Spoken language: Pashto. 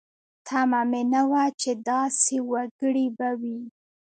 تمه مې نه وه چې داسې وګړي به وي.